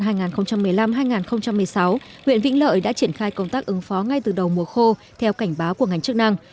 huyện vĩnh lợi đã triển khai công tác ứng phó ngay từ đầu mùa khô theo cảnh báo của ngành chức năng